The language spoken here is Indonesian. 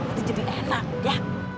itu jadi enak ya